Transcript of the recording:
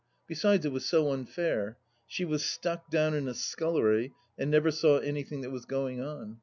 Besides, it was so unfair ; she was stuck down in a scullery, and never saw anything that was going on.